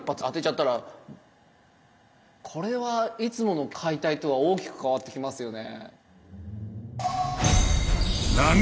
これはいつもの解体とは大きく変わってきますよね。